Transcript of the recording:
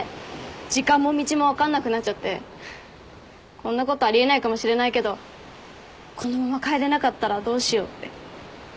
こんなことあり得ないかもしれないけどこのまま帰れなかったらどうしようって。